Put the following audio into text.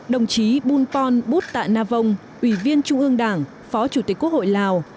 đồng chí bun pon bút tạ na vong ủy viên trung ương đảng phó chủ tịch quốc hội lào